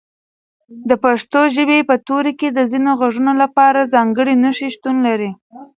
د پښتو ژبې په توري کې د ځینو غږونو لپاره ځانګړي نښې شتون لري.